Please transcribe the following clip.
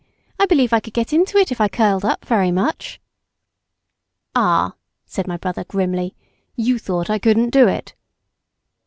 "I believe I could get into it if I curled up very much." "Ah!" said my brother grimly, "you thought I couldn't do it."